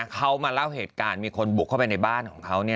เขามาเล่าเหตุการณ์มีคนบุกเข้าไปในบ้านของเขา